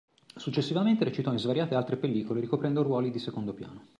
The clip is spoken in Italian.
Successivamente recitò in svariate altre pellicole ricoprendo ruoli di secondo piano.